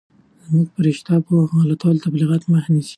زموږ په رشتیا پوهه د غلطو تبلیغاتو مخه نیسي.